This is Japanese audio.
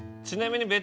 ちなみに。